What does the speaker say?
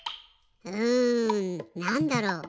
うんなんだろう？